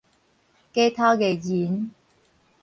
街頭藝人